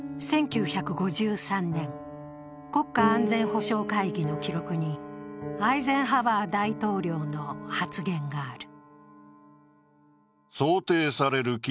１９５３年、国家安全保障会議の記録にアイゼンハワー大統領の発言がある。